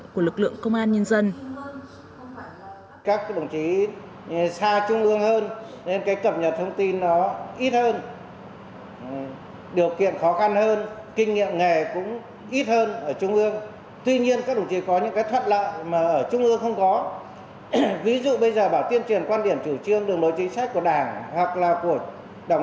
của lực lượng công an như thế nào